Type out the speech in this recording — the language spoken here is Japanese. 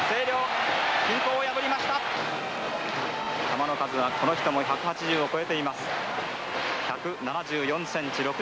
球の数はこの人も１８０を超えています。